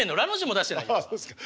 あそうですか。